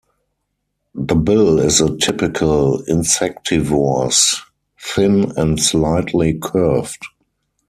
The bill is a typical insectivore's, thin and slightly curved.